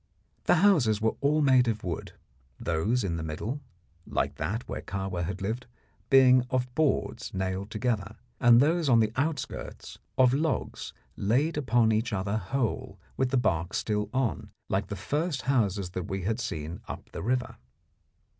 The houses were all made of wood, those in the middle, like that where Kahwa had lived, being of boards nailed together, and those on the outskirts of logs laid upon each other whole, with the bark still on, like the first houses that we had seen up the river.